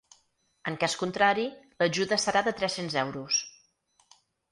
En cas contrari, l’ajuda serà de tres-cents euros.